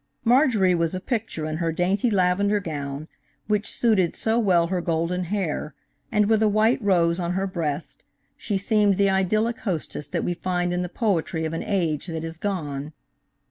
Marjorie was a picture in her dainty lavender gown, which suited so well her golden hair, and with a white rose on her breast she seemed the idyllic hostess that we find in the poetry of an age that is gone.